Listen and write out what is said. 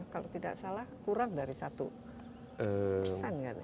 kalau tidak salah kurang dari satu persen kan